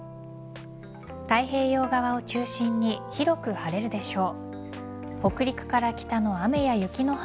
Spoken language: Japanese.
太平洋側を中心に広く晴れるでしょう。